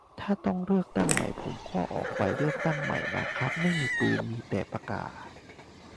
ถ้าต้องเลือกตั้งใหม่ ผมก็ออกไปเลือกใหม่นะครับ ไม่มีปืน มีแต่ปากกา